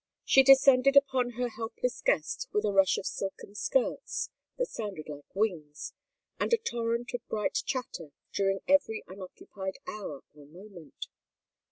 She descended upon her helpless guest with a rush of silken skirts that sounded like wings and a torrent of bright chatter, during every unoccupied hour or moment.